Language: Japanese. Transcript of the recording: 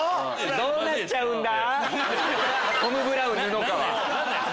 どうなっちゃうんだ？